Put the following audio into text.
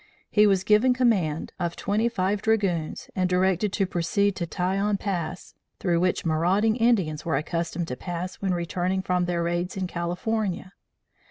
He was given command of twenty five dragoons and directed to proceed to Tajon Pass, through which marauding Indians were accustomed to pass when returning from their raids in California.